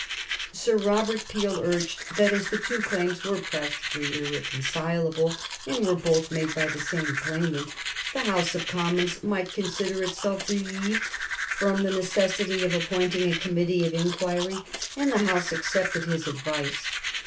Sir Robert Peel urged that as the two claims were practically irreconcilable and were both made by the same claimant, the House of Commons might consider itself relieved from the necessity of appointing a Committee of Inquiry, and the House accepted his advice.